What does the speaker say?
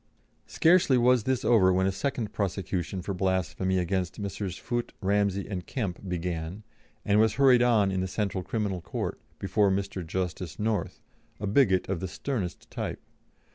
Scarcely was this over when a second prosecution for blasphemy against Messrs. Foote, Ramsey, and Kemp began, and was hurried on in the Central Criminal Court, before Mr. Justice North, a bigot of the sternest type.